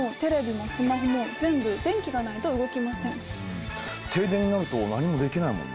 停電になると何もできないもんなあ。